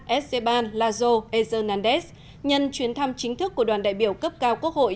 ezeban lazo hernández nhân chuyến thăm chính thức của đoàn đại biểu cấp cao quốc hội